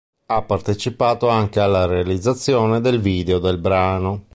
Ha partecipato anche alla realizzazione del video del brano.